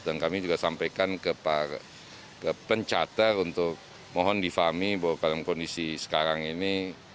dan kami juga sampaikan ke pen charter untuk mohon difahami bahwa dalam kondisi sekarang ini